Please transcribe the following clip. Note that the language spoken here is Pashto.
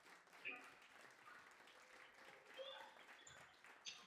وینه د کومو رګونو له لارې بدن ته ځي